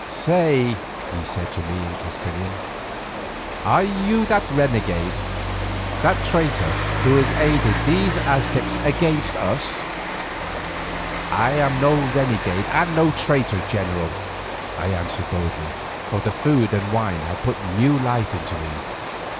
"Say," he said to me in Castilian, "are you that renegade, that traitor who has aided these Aztecs against us?" "I am no renegade and no traitor, general," I answered boldly, for the food and wine had put new life into me.